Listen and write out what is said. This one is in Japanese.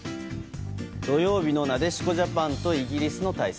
土曜日の、なでしこジャパンとイギリスの対戦。